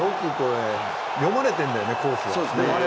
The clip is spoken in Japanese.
読まれてるんだよね、コースが。